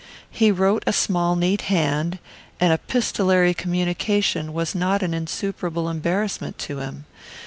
He wrote a small neat hand, and epistolary communication was not an insuperable embarrassment to him.